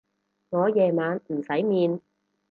我夜晚唔使面